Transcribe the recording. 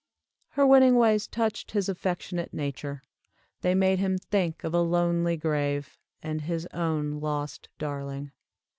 Her winning ways touched his affectionate nature, they made him think of a lonely grave, and his own lost darling.